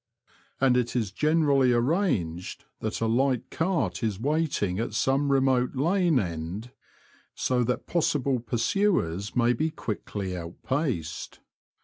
And it is generally arranged that a light cart is waiting at some remote lane end, so that possible pursuers may be quickly The Confessions of a Poacher. 79 outpaced.